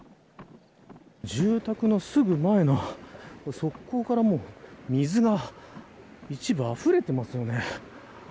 住宅のすぐ前の側溝から水が一部あふれていますよね。